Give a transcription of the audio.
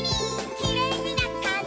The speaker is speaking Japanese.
「きれいになったね」